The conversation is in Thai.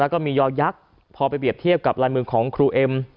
แล้วก็มียอยักษ์พอไปเรียบเทียบกับลายมือของครูเอ็ม